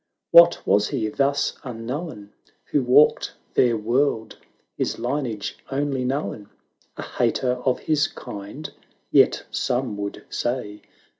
what was he, thus unknown, Who walked their world, his lineage only known ? A hater of his kind ? yet some would say.